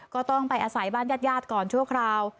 ก็ต้องไปอาศัยบ้านญาติก่อนชั่วคราว